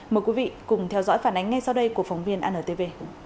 mời quý vị cùng theo dõi phản ánh ngay sau đây của phóng viên antv